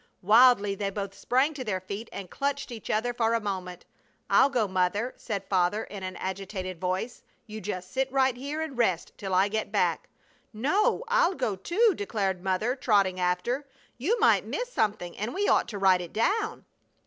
Wildly they both sprang to their feet and clutched each other for a moment. "I'll go, Mother," said Father, in an agitated voice. "You just sit right here and rest till I get back!" "No! I'll go, too!" declared Mother, trotting after. "You might miss something and we ought to write it down!"